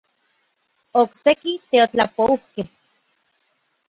Okseki teotlapoukej.